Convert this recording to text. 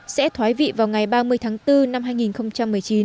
sẽ thoái vị vào ngày ba mươi tháng bốn năm hai nghìn một mươi chín